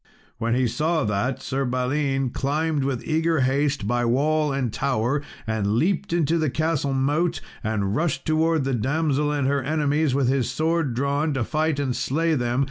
When he saw that, Sir Balin climbed with eager haste by wall and tower, and leaped into the castle moat, and rushed towards the damsel and her enemies, with his sword drawn, to fight and slay them.